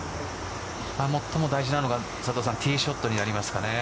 最も大事なのがティーショットになりますかね。